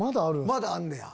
まだあんねや。